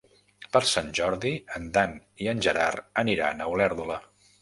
Per Sant Jordi en Dan i en Gerard aniran a Olèrdola.